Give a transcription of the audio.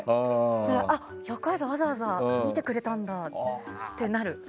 若林さん、わざわざ見てくれたんだってなる。